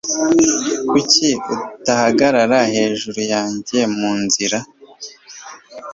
Kuki utahagarara hejuru yanjye mu nzira?